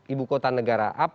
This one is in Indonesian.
ibu kota negara